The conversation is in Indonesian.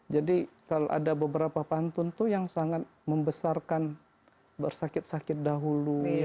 jadi kalau ada beberapa pantun itu yang sangat membesarkan bersakit sakit dahulu